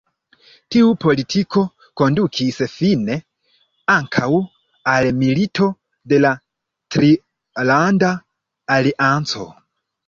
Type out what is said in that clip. Tiu politiko kondukis fine ankaŭ al Milito de la Trilanda Alianco.